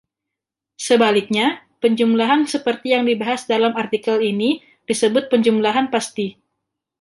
Sebaliknya, penjumlahan seperti yang dibahas dalam artikel ini disebut "penjumlahan pasti".